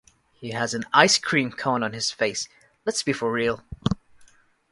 He has an ice cream cone on his face, let's be for real.